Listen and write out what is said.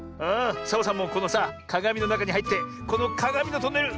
サボさんもこのさかがみのなかにはいってこのかがみのトンネル